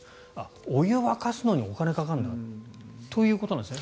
お湯を沸かすのにお金がかかるんだということなんですね。